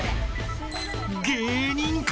［芸人か？］